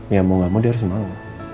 ya mau gak mau dia harus mau